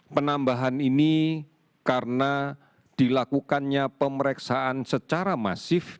penambahan ini karena dilakukannya pemeriksaan secara masif